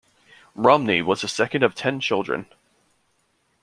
Romney was the second of ten children.